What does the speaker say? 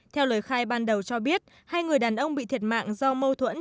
theo lời khai ban đầu cho biết hai người đàn ông bị thiệt mạng do mâu thuẫn